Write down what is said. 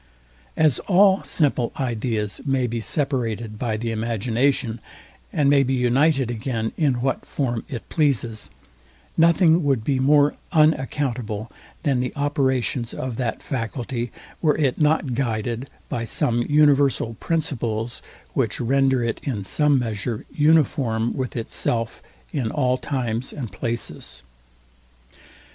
As all simple ideas may be separated by the imagination, and may be united again in what form it pleases, nothing would be more unaccountable than the operations of that faculty, were it not guided by some universal principles, which render it, in some measure, uniform with itself in all times and places.